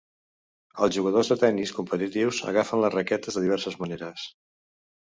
Els jugadors de tenis competitius agafen les raquetes de diverses maneres.